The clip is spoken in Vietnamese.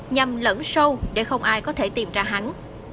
nhằm lẫn sâu để không ai có thể tìm ra hắn